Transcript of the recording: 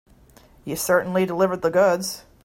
You certainly delivered the goods.